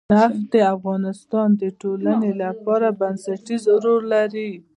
نفت د افغانستان د ټولنې لپاره بنسټيز رول لري.